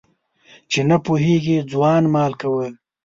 چي نه پوهېږي ځوان مال کوه.